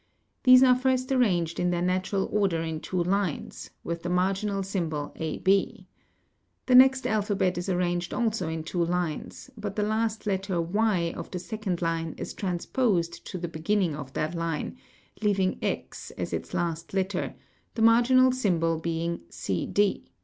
These are first arran ged in their natural order in two lines, with the marginal symbol AB The next alphabet is arranged also in two lines, but the last letter yc the second line is transposed to the beginning of that line, leaving a | its last letter, the marginal symbol being CD.